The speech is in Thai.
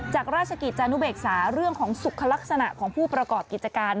จากราชกิจจานุเบกษาเรื่องของสุขลักษณะของผู้ประกอบกิจการ